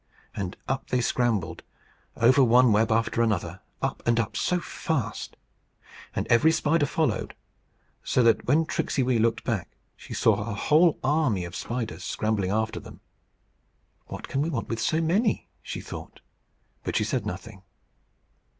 And up they scrambled, over one web after another, up and up so fast! And every spider followed; so that, when Tricksey Wee looked back, she saw a whole army of spiders scrambling after them. "What can we want with so many?" she thought; but she said nothing.